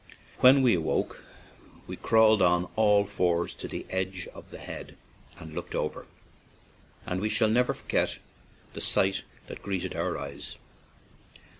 When we awoke we crawled on all fours to the edge of the head and looked over, and we shall never forget the sight that greeted our eyes!